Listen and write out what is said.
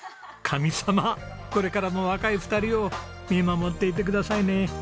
これからも若い２人を見守っていてくださいね。